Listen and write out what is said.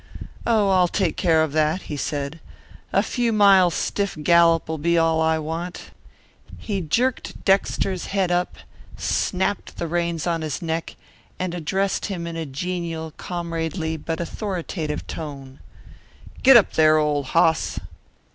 "Oh, I'll take care of that!" he said. "A few miles' stiff gallop'll be all I want." He jerked Dexter's head up, snapped the reins on his neck, and addressed him in genial, comradely but authoritative tones. "Git up there, old hoss!"